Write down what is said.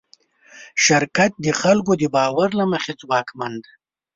شرکت د خلکو د باور له مخې ځواکمن دی.